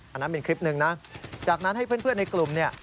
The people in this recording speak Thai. อันนั้นเป็นคลิปหนึ่งนะจากนั้นให้เพื่อนในกลุ่มเนี่ย